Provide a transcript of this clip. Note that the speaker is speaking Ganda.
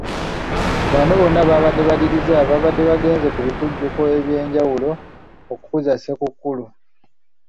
Bano bonna babadde badigize ababadde bagenze ku bikujjuko eby'enjawulo okukuza ssekukkulu.